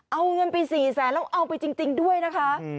เอาเงินไป๔แสนแล้วเอาไปจริงด้วยนะคะ